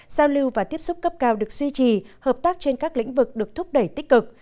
giao lưu và tiếp xúc cấp cao được duy trì hợp tác trên các lĩnh vực được thúc đẩy tích cực